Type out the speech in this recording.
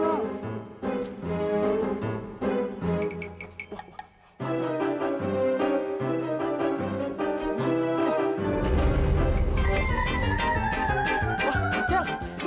wah mungkin dia kecapean kali itu